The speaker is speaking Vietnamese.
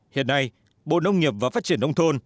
hiện nay bộ nông nghiệp và phát triển nông thôn